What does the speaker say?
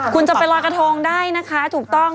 คุณจะไปลอยกระทงได้นะคะถูกต้อง